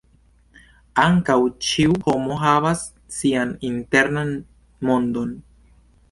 Ankaŭ ĉiu homo havas sian internan mondon.